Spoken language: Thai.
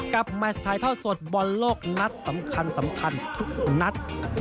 กับแมสไททัลส่วนบอลโลกนัดสำคัญทุกนัด